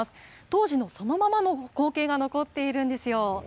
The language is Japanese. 当時のそのままの光景が残っているんですよ。